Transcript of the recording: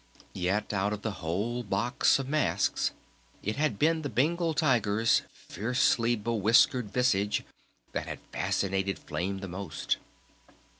Yet out of the whole box of masks it had been the Bengal Tiger's fiercely bewhiskered visage that had fascinated Flame the most.